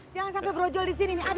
jangan sampai berujol di sini nih